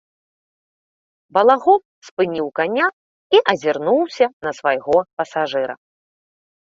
Балагол спыніў каня і азірнуўся на свайго пасажыра.